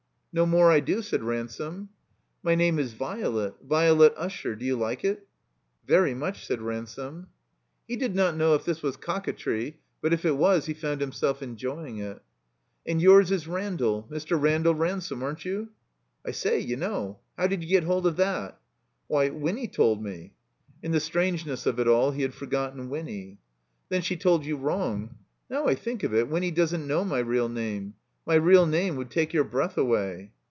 "No more I do," said Ransome. "My name is Violet. Violet Usher. Do you like it?" "Very much," said Ransome. He did not know if this was "cock a tree"; but if it was he found himself enjo3ring it. "And yours is Randall. Mr. Randall Ransome, aren't you?" "I say, you know; how did you get hold of that?" "Why— Winny told me." In the strangeness of it all he had forgotten Winny. "Then she told you wrong. Now I think of it, Winny doesn't know my real name. My real name would take your breath away."